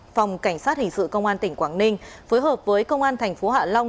phòng cảnh sát hình sự công an tỉnh quảng ninh phối hợp với công an thành phố hạ long